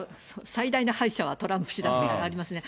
最大の敗者はトランプ氏だみたいなのありますね。